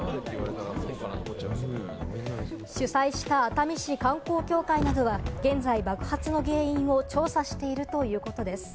主催した熱海市観光協会などは、現在爆発の原因を調査しているということです。